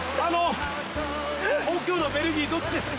故郷のベルギーどっちですか？